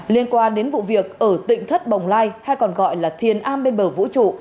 liên quan đến vụ việc ở tỉnh thất bồng lai hay còn gọi là thiền a bên bờ vũ trụ